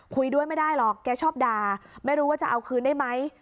คุยด้วยไม่ได้หรอกแกชอบด่าไม่รู้ว่าจะเอาคืนได้ไหม